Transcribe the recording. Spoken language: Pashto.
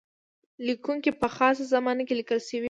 لیکونکی په خاصه زمانه کې لیکل شوی.